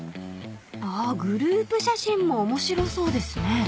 ［あっグループ写真も面白そうですね］